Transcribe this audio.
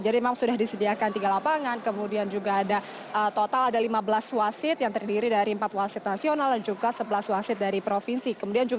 jadi memang sudah disediakan tiga lapangan kemudian juga ada total ada lima belas wasid yang terdiri dari empat wasid nasional dan juga sebelas wasid dari provinsi